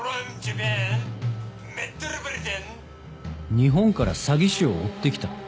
日本から詐欺師を追ってきた？